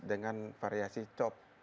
dengan variasi chop